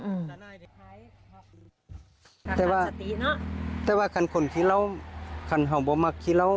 ก็ไม่รู้จักเค้าช่วยพี่สภเนี่ยอีกแล้ว